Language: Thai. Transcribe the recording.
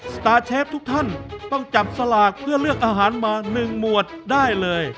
สตาร์เชฟทุกท่านต้องจับสลากเพื่อเลือกอาหารมา๑หมวดได้เลย